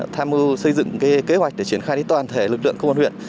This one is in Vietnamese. tham mưu xây dựng kế hoạch để triển khai đến toàn thể lực lượng công an huyện